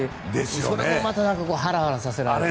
それもまたハラハラさせられる。